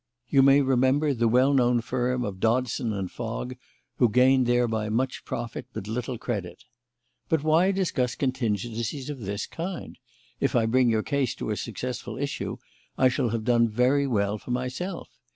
You may remember the well known firm of Dodson and Fogg, who gained thereby much profit, but little credit. But why discuss contingencies of this kind? If I bring your case to a successful issue I shall have done very well for myself.